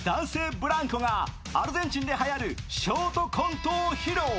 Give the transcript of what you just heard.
ブランコがアルゼンチンではやるショートコントを披露。